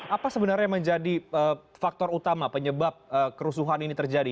apa sebenarnya yang menjadi faktor utama penyebab kerusuhan ini terjadi